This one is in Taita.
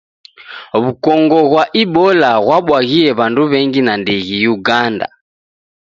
W'ukongo ghwa Ibola ghwabwaghie w'andu w'engi nandighi Uganda.